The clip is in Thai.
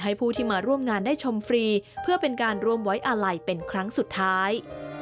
ผู้ที่มาร่วมงานได้ชมฟรีเพื่อเป็นการร่วมไว้อาลัยเป็นครั้งสุดท้าย